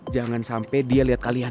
jangan sampe dia liat kalian